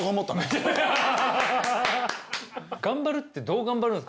頑張るってどう頑張るんですか？